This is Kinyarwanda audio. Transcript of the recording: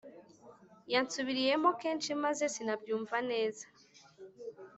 yansubiriyemo kenshi maze sinabyumva neza.